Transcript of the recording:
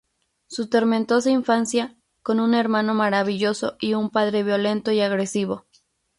Su tormentosa infancia, con un hermano maravilloso y un padre violento y agresivo.